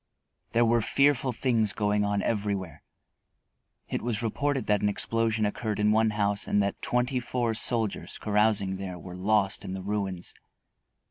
There were fearful things going on everywhere. It was reported that an explosion occurred in one house and that twenty four soldiers, carousing there, were lost in the ruins.